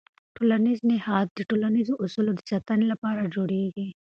ټولنیز نهاد د ټولنیزو اصولو د ساتنې لپاره جوړېږي.